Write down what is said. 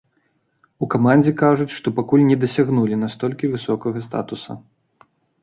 У камандзе кажуць, што пакуль не дасягнулі настолькі высокага статуса.